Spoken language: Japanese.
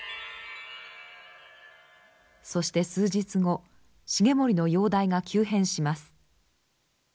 そして数日後重盛の容体が急変します。